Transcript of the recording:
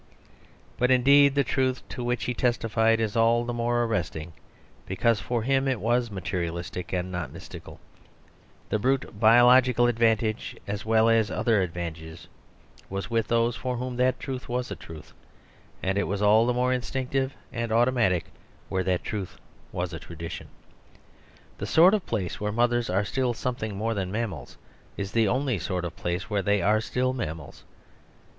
But indeed the truth to which he testified is all the more arresting, because for him it was materialistic and not mystical. The Vista of Divorce 141 The brute biological advantage, as well as other advantages, was with those for whom that truth was a truth ; and it was all the more instinctive and automatic where that truth was a tradition. The sort of place where mothers are still something more than mammals is the only sort of place where they still are mam mals.